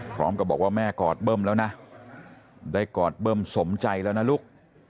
พร้อมกับบอกว่าแม่กอดเบิ้มแล้วนะได้กอดเบิ้มสมใจแล้วนะลูก